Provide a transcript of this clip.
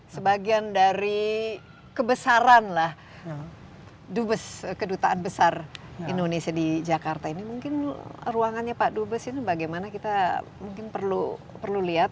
sebagian dari kebesaran lah dubes kedutaan besar indonesia di jakarta ini mungkin ruangannya pak dubes ini bagaimana kita mungkin perlu lihat